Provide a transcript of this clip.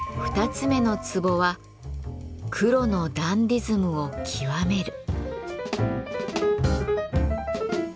２つ目の壺は「黒のダンディズムを究める」。